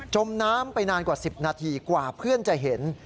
มน้ำไปนานกว่า๑๐นาทีกว่าเพื่อนจะเห็น